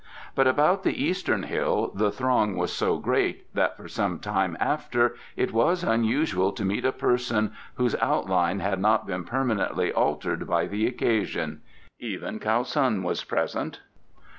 But about the Eastern Hill the throng was so great that for some time after it was unusual to meet a person whose outline had not been permanently altered by the occasion. Even Kiau Sun was present.